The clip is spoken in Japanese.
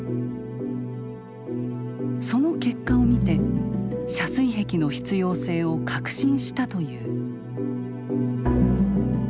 その結果を見て遮水壁の必要性を確信したという。